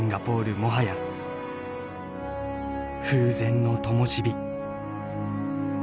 もはや風前のともし火」。